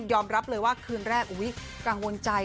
ขอรับเลยว่าคืนแรกกังวลใจ